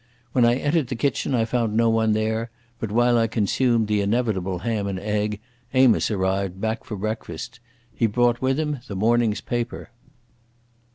When I entered the kitchen I found no one there, but while I consumed the inevitable ham and egg, Amos arrived back for breakfast. He brought with him the morning's paper.